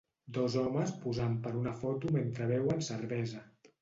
Dos homes posant per una foto mentre beuen cervesa.